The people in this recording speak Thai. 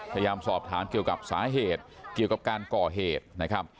พยายามสอบถามเกี่ยวกับสาเหตุเกี่ยวกับการก่อเหตุนะครับ